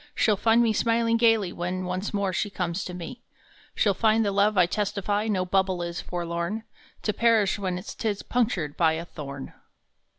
She ll find me smiling gaily when Once more she comes to me. She ll find the love I testify No bubble is, forlorn, To perish when tis punctured by A thorn